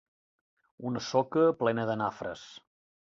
Una soca plena de nafres.